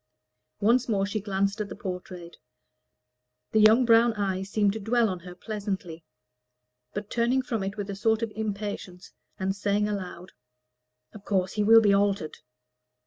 Once more she glanced at the portrait. The young brown eyes seemed to dwell on her pleasantly; but, turning from it with a sort of impatience, and saying aloud, "Of course he will be altered!"